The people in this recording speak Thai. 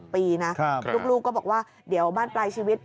ปีนะลูกก็บอกว่าเดี๋ยวบ้านปลายชีวิต